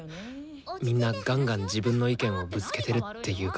みんなガンガン自分の意見をぶつけてるっていうか。